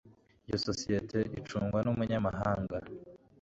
Iyo sosiyete icungwa numunyamahanga.